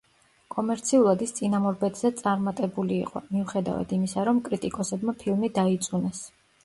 კომერციულად ის წინამორბედზე წარმატებული იყო, მიუხედავად იმისა რომ კრიტიკოსებმა ფილმი დაიწუნეს.